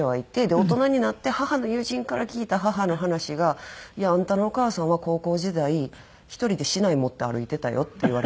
大人になって母の友人から聞いた母の話が「いやあんたのお母さんは高校時代１人で竹刀持って歩いてたよ」って言われまして。